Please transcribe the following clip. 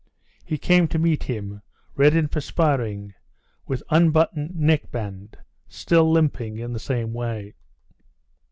He came to meet him, red and perspiring, with unbuttoned neckband, still limping in the same way.